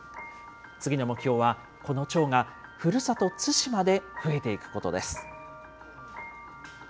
次の目標は、このチョウがふるさと対馬で増えていくことです。